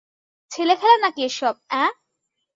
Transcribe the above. ছেলেখেলা নাকি এসব, অ্যাঁ?